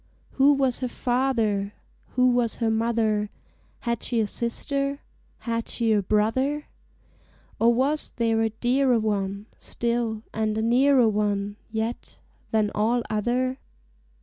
Who was her father? Who was her mother? Had she a sister? Had she a brother? Or was there a dearer one Still, and a nearer one Yet, than all other?